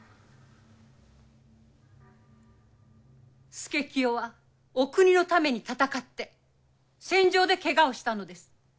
佐清はお国のために戦って戦場でケガをしたのです。